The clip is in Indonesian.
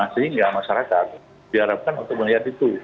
sehingga masyarakat diharapkan untuk melihat itu